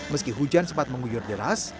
meski hujan sempat menguyur deras